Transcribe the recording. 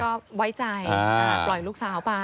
ก็ไว้ใจปล่อยลูกสาวไป